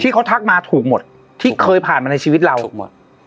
เขาทักมาถูกหมดที่เคยผ่านมาในชีวิตเราถูกหมด